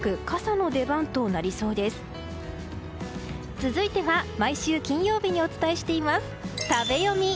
続いては、毎週金曜日にお伝えしています、食べヨミ。